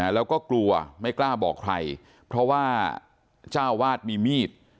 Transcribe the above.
แล้วก็กลัวไม่กล้าบอกใครเพราะว่าเจ้าวาดมีมีด